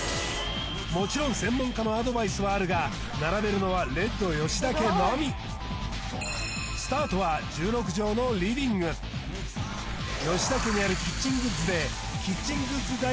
もちろん専門家のアドバイスはあるが並べるのはレッド吉田家のみスタートは１６帖のリビング吉田家にあるキッチングッズでキッチングッズ